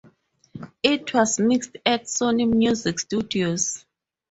It was mixed at Sony Music Studios.